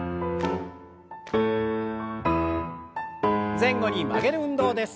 前後に曲げる運動です。